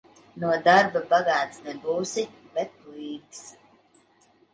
No darba bagāts nebūsi, bet līks.